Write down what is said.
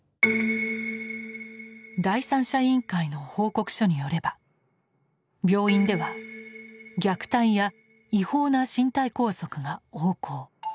第三者委員会の報告書によれば病院では虐待や違法な身体拘束が横行。